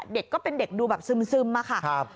เด็กก็เป็นเด็กดูแบบซึมอะค่ะ